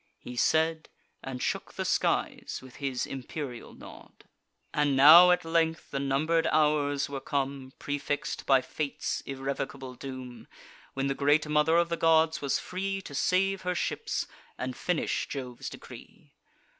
He said; and shook the skies with his imperial nod. And now at length the number'd hours were come, Prefix'd by fate's irrevocable doom, When the great Mother of the Gods was free To save her ships, and finish Jove's decree.